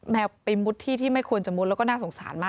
แมวไปมุดที่ที่ไม่ควรจะมุดแล้วก็น่าสงสารมาก